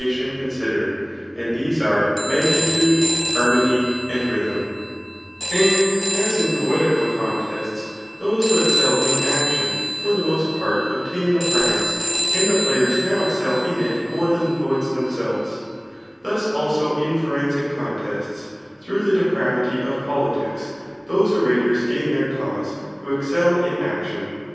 RHtTORIC. 908^ da&m eoodia ; aftd Ae&e are^ magmtude, hzmumy^ and rliytbin« And » m poetical contests those who e» eel ia action^ for the most part obtam the prize, and the players now excel in it more than the poets themselresy thus, also in fiuensc contests, through the depravity of ppUticSy those orators gain their cause, who excel ia action.